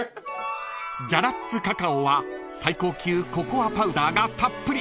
［ジャラッツカカオは最高級ココアパウダーがたっぷり］